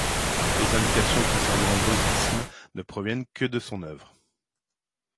Les indications concernant Zosime ne proviennent que de son œuvre.